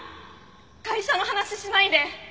会社の話しないで！